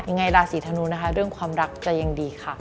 ยังไงราศีธนูนะคะเรื่องความรักจะยังดีค่ะ